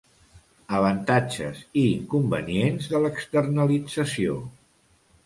Avantatges i inconvenients de l'externalització.